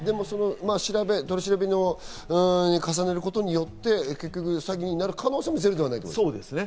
取り調べを重ねることによって、結局、詐欺になる可能性もゼロではないということですね。